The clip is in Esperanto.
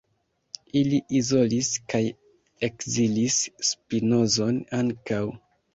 Ili izolis kaj ekzilis Spinozon ankaŭ.